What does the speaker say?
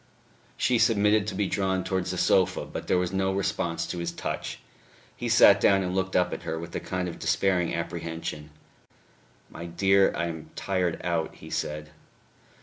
She submitted to be drawn towards the sofa, but there was no response to his touch. He sat down and looked up at her with a kind of despairing apprehension. "My dear, I am tired out," he said.